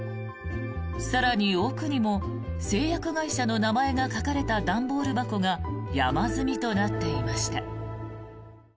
更に奥にも製薬会社の名前が書かれた段ボール箱が山積みとなっていました。